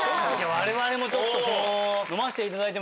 我々もちょっとこう。